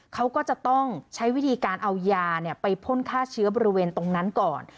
เขาก็จะต้องใช้วิธีการเอายาไปพ่นฆ่าเชื้อบริเวณตรงนั้นก่อน